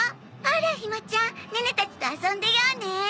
ほらひまちゃんネネたちと遊んでようね。